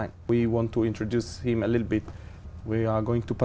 nhưng tôi rất cảm ơn ông ho